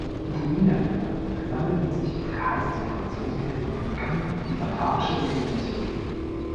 Die Niederländer versammelten sich auf Geheiß der Franzosen hin und begannen die batavische Revolution.